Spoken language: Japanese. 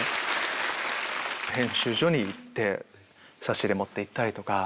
編集所に行って差し入れ持って行ったりとか。